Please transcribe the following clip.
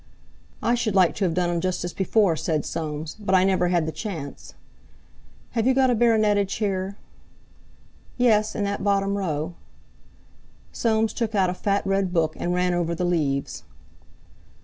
"I should like to have done him justice before," said Soames; "but I never had the chance. Have you got a 'Baronetage' here?" "Yes; in that bottom row." Soames took out a fat red book, and ran over the leaves.